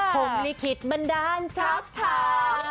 ผมลิขิตมันดานชับถาบ